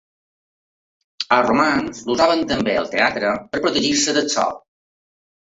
Els romans l'usaven també al teatre per protegir-se del sol.